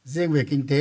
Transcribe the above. riêng về kinh tế